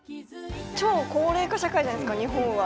超高齢化社会じゃないですか日本は。